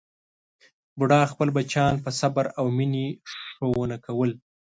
بوډا خپل بچیان په صبر او مینې ښوونه کول.